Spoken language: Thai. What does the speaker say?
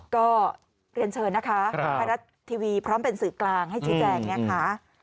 ก็เรียนเชิญนะคะไทยรัฐทีวีพร้อมเป็นสื่อกลางให้ชี้แจงนะคะ